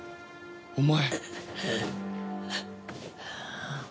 お前。